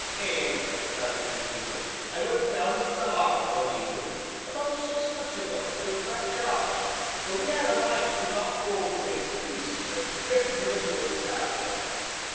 "Ay," nodded the Innkeeper; "I went down into th' 'Oller one evenin' 'bout six months ago, wi' Black Jarge, for we 'ad a mind to knock th' owd place to pieces, and get rid o' the ghost that way.